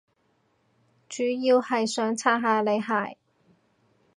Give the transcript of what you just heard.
主要係想刷下你鞋